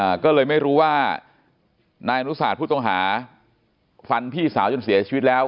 อ่าก็เลยไม่รู้ว่านายอนุสาธผู้ต้องหาฟันพี่สาวจนเสียชีวิตแล้ว